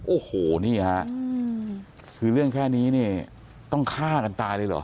โอ้โหนี่ฮะคือเรื่องแค่นี้เนี่ยต้องฆ่ากันตายเลยเหรอ